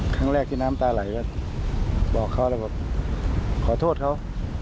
ครั้งแรกที่น้ำตาไหลก็บอกเขาแล้วบอกขอโทษเขา